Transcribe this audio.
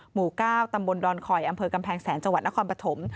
หมู่ก้าวตำบลดอนคอยอำเภอกำแพงแสนจนครปฐม